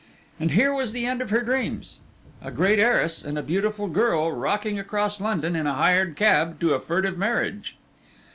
And here was the end of her dreams, a great heiress and a beautiful girl rocking across London in a hired cab to a furtive marriage.